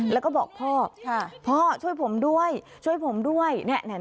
แล้วก็บอกพ่อพ่อช่วยผมด้วยช่วยผมด้วย